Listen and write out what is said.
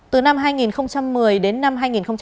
từ năm hai nghìn một mươi đến năm hai nghìn một mươi bảy